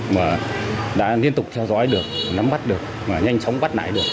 mà đã liên tục theo dõi được nắm bắt được và nhanh chóng bắt lại được